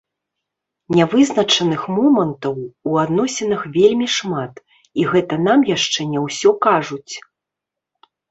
Нявызначаных момантаў у адносінах вельмі шмат, і гэта нам яшчэ не ўсё кажуць.